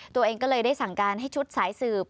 ตัวเองก็เลยได้สั่งการให้ชุดสายสืบ